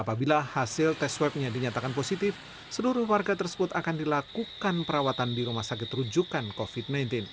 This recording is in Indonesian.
apabila hasil tes swabnya dinyatakan positif seluruh warga tersebut akan dilakukan perawatan di rumah sakit rujukan covid sembilan belas